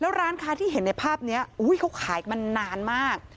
ร้านค้าที่เห็นในภาพนี้เขาขายมานานมาก